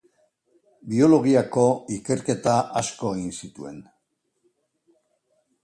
Biologiako ikerketa asko egin zituen.